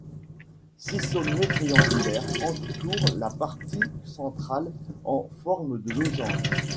Six sommets triangulaires entourent la partie centrale en forme de losange.